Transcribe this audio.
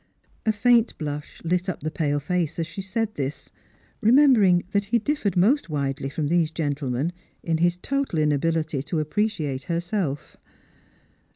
A faint blush ht up the pale face as she said this, remembering that he differed most widely from these gentlemen in his total inability to appreciate herself.